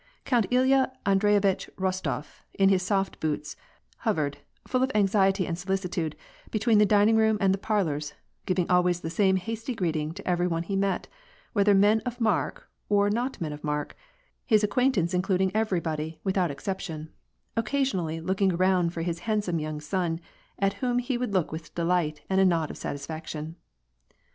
Count Ilya Andreyitch Eostof, in his soft boots, hovered, full of anxiety and solicitude, between the dining room and the parlors, giving always the same hasty greeting to every one he met, whether men of mark or not men of mark, his ac quaintance including everybody, without exception, occasion ally looking around for his handsome young son, at whom he would look with delight and a nod of satisfaction.